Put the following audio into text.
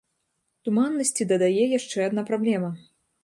Туманнасці дадае яшчэ адна праблема.